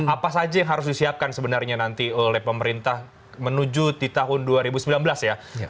apa saja yang harus disiapkan sebenarnya nanti oleh pemerintah menuju di tahun dua ribu sembilan belas ya